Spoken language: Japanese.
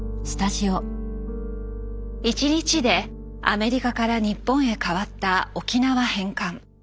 １日でアメリカから日本へ変わった沖縄返還。